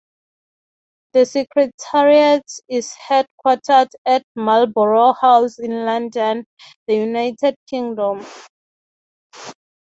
The Secretariat is headquartered at Marlborough House, in London, the United Kingdom.